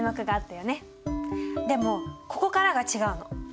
でもここからが違うの。